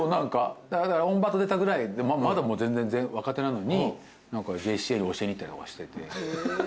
『オンバト』出たぐらいまだ全然若手なのにＪＣＡに教えに行ったりとかしてて。